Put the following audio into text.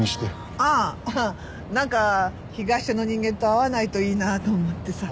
ああなんか東署の人間と会わないといいなと思ってさ。